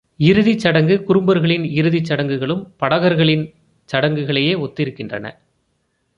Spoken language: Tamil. இறுதிச் சடங்கு குறும்பர்களின் இறுதிச் சடங்குகளும் படகர்களின் சடங்குகளையே ஒத்திருக்கின்றன.